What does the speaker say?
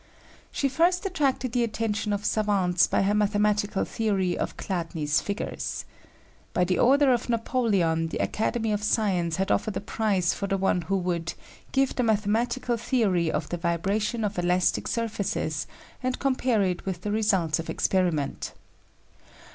She first attracted the attention of savants by her mathematical theory of Chladni's figures. By the order of Napoleon, the Academy of Science had offered a prize for the one who would "Give the mathematical theory of the vibration of elastic surfaces and compare it with the results of experiment."